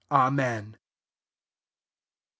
Amen. Ch.